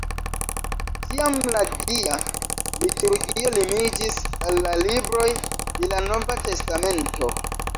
Tiam la Dia liturgio limiĝis al la libroj de la Nova Testamento.